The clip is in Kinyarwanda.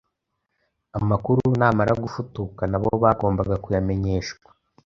amakuru namara gufutuka na bo bagomba kuyamenyeshwa